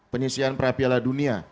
penyisian prapiala dunia